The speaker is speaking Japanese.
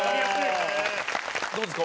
澤部：どうですか？